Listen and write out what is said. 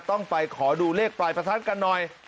ต้องไปขอดูเลขปลายประทัดกันหน่อย